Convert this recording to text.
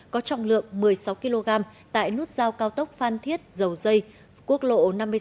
có trọng lượng một mươi sáu kg tại nút giao cao tốc phan thiết dầu dây quốc lộ năm mươi sáu